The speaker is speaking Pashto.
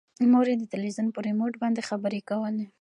مور یې د تلویزون په ریموټ باندې خبرې کولې.